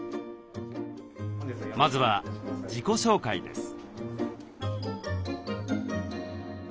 まずは自己紹介です。